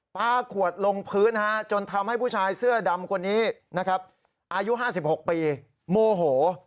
ปลาขวดลงพื้นจนทำให้ผู้ชายเสื้อดำคนนี้นะครับอายุ๕๖ปีโมโห